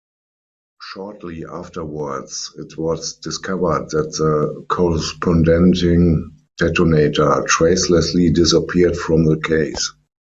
Shortly afterwards it was discovered that the corresponding detonator tracelessly disappeared from the case.